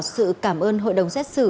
sự cảm ơn hội đồng xét xử